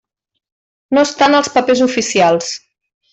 No està en els papers oficials.